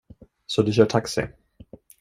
Så du kör taxi.